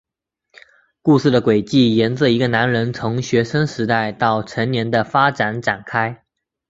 故事的轨迹沿着一个男人从学生时代到成年的发展展开。